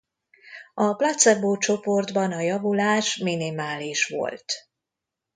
A placebo csoportban a javulás minimális volt.